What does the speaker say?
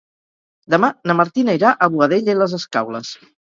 Demà na Martina irà a Boadella i les Escaules.